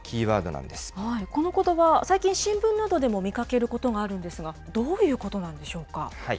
なんこのことば、最近、新聞などでも見かけることがあるんですが、どういうことなんでしょうか。